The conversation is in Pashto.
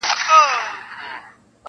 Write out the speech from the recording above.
جنازې دي د بګړیو هدیرې دي چي ډکیږي-